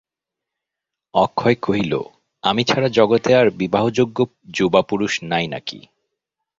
অক্ষয় কহিল, আমি ছাড়া জগতে আর বিবাহযোগ্য যুবাপুরুষ নাই নাকি?